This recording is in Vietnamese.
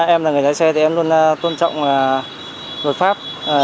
em là người lái xe thì em luôn tôn trọng luật pháp